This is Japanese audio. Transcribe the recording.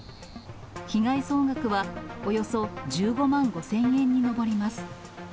被害総額は、およそ１５万５０００円に上ります。